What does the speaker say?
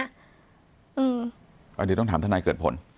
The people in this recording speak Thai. อันนี้ต้องถามท่านนายเกิดผล